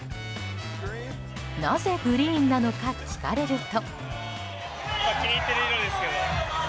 なぜグリーンなのか聞かれると。